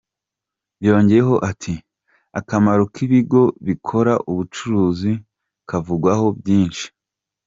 Yongeyeho ati “Akamaro k’ibigo bikora ubucuruzi kavugwaho byinshi.